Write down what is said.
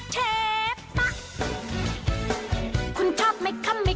เชฟบ้ะ